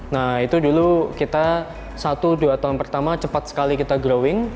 nah itu dulu kita satu dua tahun pertama cepat sekali kita growing